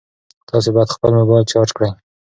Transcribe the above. تاسي باید خپل موبایل چارج کړئ.